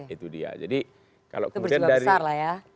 itu dia jadi kalau kemudian dari itu berjubah besar lah ya